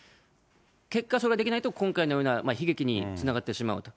結果、それができないと今回のような悲劇につながってしまうと。